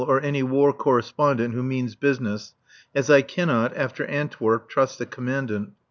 or any War Correspondent who means business, as I cannot (after Antwerp) trust the Commandant.